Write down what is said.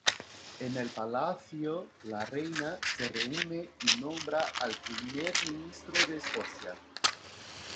En el Palacio la Reina se reúne y nombra al Primer Ministro de Escocia.